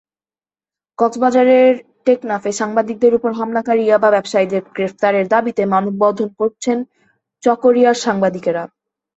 কক্সবাজারের টেকনাফে সাংবাদিকদের ওপর হামলাকারী ইয়াবা ব্যবসায়ীদের গ্রেপ্তারের দাবিতে মানববন্ধন করেছেন চকরিয়ার সাংবাদিকেরা।